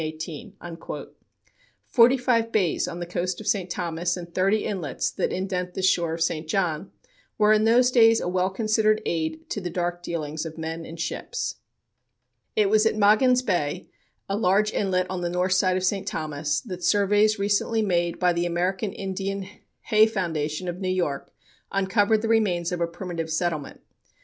Forty five bays on the coast of St. Thomas and thirty inlets that indent the shore of St. John were in those days a well considered aid to the dark dealings of men and ships. It was at Magen's Bay, a large inlet on the north side of St. Thomas, that surveys recently made by the American Indian Heye Foundation of New York uncovered the remains of a primitive settlement.